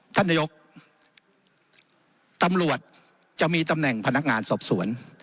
ท่านนายกตำรวจจะมีตำแหน่งพนักงานสอบสวน